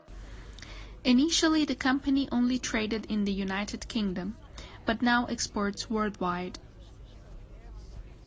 Initially the company only traded in the United Kingdom, but now exports worldwide.